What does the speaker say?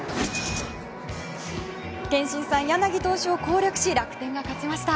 憲伸さん、柳投手を攻略し楽天が勝ちました。